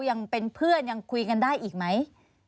ยังเป็นเพื่อนยังคุยกันได้อีกไหม